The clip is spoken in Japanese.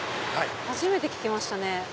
初めて聞きましたね。